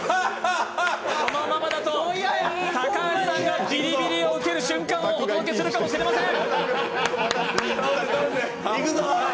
このままだと、高橋さんがビリビリを受ける瞬間をお届けするかもしれません。